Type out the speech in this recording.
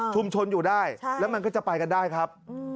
อยู่ได้แล้วมันก็จะไปกันได้ครับ